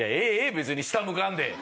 別に下向かんで。